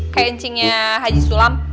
kayak encingnya haji sulam